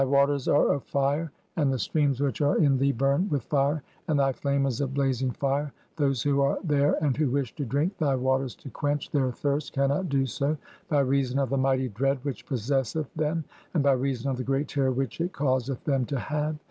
271 'waters are of fire, and the streams which are in thee burn with 'fire and (3) thy flame is a blazing fire ; those who are there 'and who wish to drink thy waters to quench (4) their thirst 'cannot do so by reason of the mighty dread which possesseth 'them and by reason of the great terror which it causeth them 'to have.